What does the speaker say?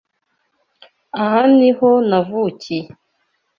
Aha niho navukiye.